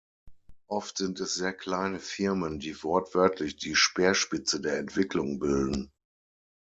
Oft sind es sehr kleine Firmen, die wortwörtlich die Speerspitze der Entwicklung bilden.